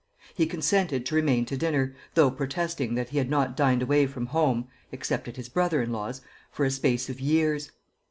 He consented to remain to dinner, though protesting that he had not dined away from home except at his brother in law's for a space of years.